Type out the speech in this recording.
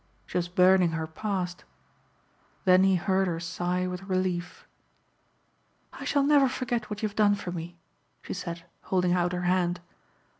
She was burning her past. Then he heard her sigh with relief. "I shall never forget what you have done for me," she said holding out her hand.